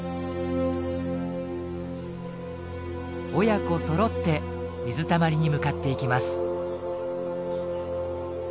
親子そろって水たまりに向かっていきます。